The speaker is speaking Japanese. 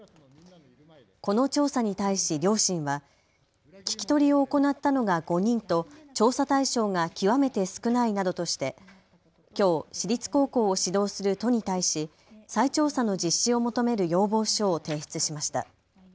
この調査に対し両親は聞き取りを行ったのが５人と調査対象が極めて少ないなどとしてきょう、私立高校を指導する都に対し再調査の実施を求める要望書を提出しました。